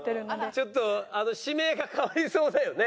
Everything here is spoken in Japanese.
ちょっと指名が変わりそうだよね。